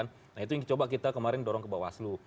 nah itu yang coba kita kemarin dorong ke bawaslu